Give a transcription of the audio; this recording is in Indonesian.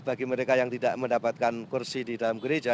bagi mereka yang tidak mendapatkan kursi di dalam gereja